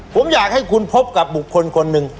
ผมอยากให้คุณพบกับบุคคลคนหนึ่ง